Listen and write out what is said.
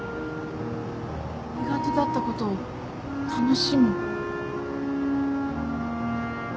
苦手だったことを楽しむ。